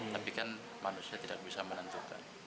tapi kan manusia tidak bisa menentukan